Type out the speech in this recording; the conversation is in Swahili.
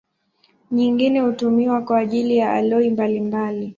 Nyingine hutumiwa kwa ajili ya aloi mbalimbali.